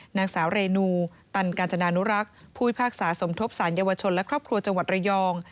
นางสาวเรนูตันกาญจนานุรักษ์ผู้พิพากษาสมทบสารเยาวชนและครอบครัวจังหวัดระยอง